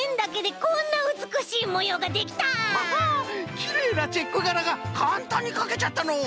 きれいなチェックがらがかんたんにかけちゃったのう！